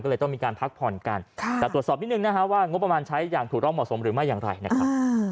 ก็เลยต้องมีการพักผ่อนกันแต่ตรวจสอบนิดนึงนะฮะว่างบประมาณใช้อย่างถูกต้องเหมาะสมหรือไม่อย่างไรนะครับ